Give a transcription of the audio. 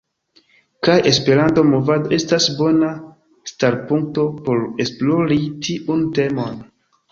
Kaj la Esperanto-movado estas bona starpunkto por esplori tiun temon.